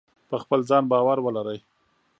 په خپل ځان باور ولرئ.